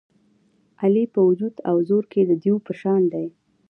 علي په وجود او زور کې د دېو په شان دی.